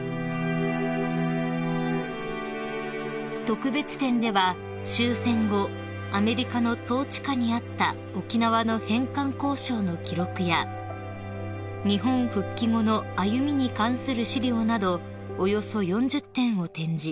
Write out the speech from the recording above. ［特別展では終戦後アメリカの統治下にあった沖縄の返還交渉の記録や日本復帰後の歩みに関する資料などおよそ４０点を展示］